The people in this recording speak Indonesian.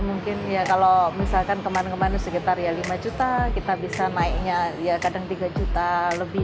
mungkin kalau misalkan kemana kemana sekitar lima juta kita bisa naiknya ya kadang tiga juta lebih